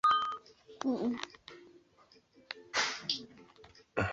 kwa walioathirika mno ili kumtenga mgonjwa na dawa za kulevya na